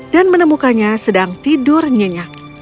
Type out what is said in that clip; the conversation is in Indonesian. dan menemukannya sedang tidur nyenyak